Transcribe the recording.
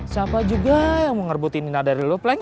siapa juga yang mau ngerbutin nina dari lo pleng